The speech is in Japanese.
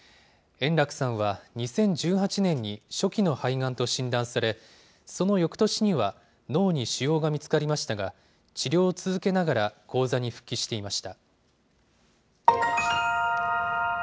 円楽さんは２０１８年に初期の肺がんと診断され、そのよくとしには脳に腫瘍が見つかりましたが、治療を続けながら高座に復帰していました。